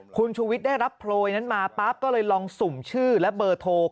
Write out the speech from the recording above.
คุณชูวิทย์ได้รับโพยนั้นมาปั๊บก็เลยลองสุ่มชื่อและเบอร์โทร